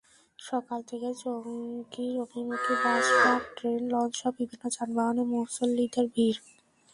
সকাল থেকেই টঙ্গী অভিমুখী বাস, ট্রাক, ট্রেন, লঞ্চসহ বিভিন্ন যানবাহনে মুসল্লিদের ভিড়।